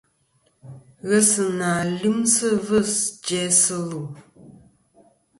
Ghesɨnà lyɨmsɨ ɨvɨs jæsɨ lù.